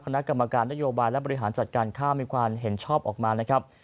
คณะกรรมการนโยบายและบริหารจัดการข้าวมีความเห็นชอบออกมานะครับ